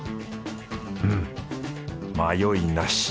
うん迷いなし。